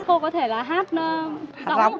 cô có thể là hát gióng